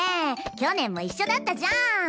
去年も一緒だったじゃん。